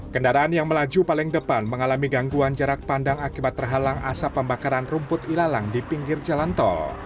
kendaraan yang melaju paling depan mengalami gangguan jarak pandang akibat terhalang asap pembakaran rumput ilalang di pinggir jalan tol